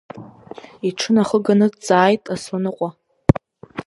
Иҽынахыганы дҵааит Асланыҟәа.